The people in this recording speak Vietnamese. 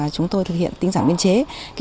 chúng tôi thực hiện tin giảng biên chế